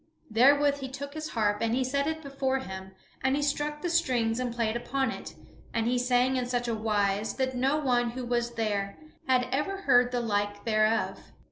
Therewith he took his harp and he set it before him, and he struck the strings and played upon it, and he sang in such a wise that no one who was there had ever heard the like thereof.